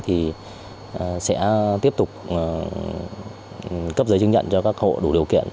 thì sẽ tiếp tục cấp giấy chứng nhận cho các hộ đủ điều kiện